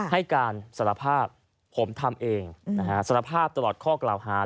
ให้การสารภาพผมทำเองสารภาพตลอดข้อกล่าวหา